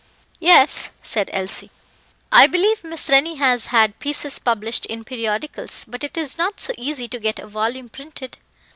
"Yes," said Elsie. "I believe Miss Rennie has had pieces published in periodicals, but it is not so easy to get a volume printed."